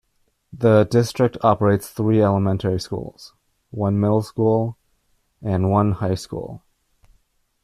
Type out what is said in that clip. The district operates three elementary schools, one middle school, and one high school.